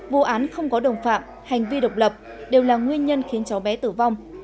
vụ án không có đồng phạm hành vi độc lập đều là nguyên nhân khiến cháu bé tử vong